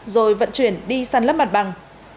rồi vận chuyển đi săn lấp mặt bằng